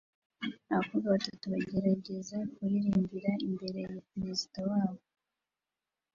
Abakobwa batatu bagerageza kuririmbira imbere ya perezida wabo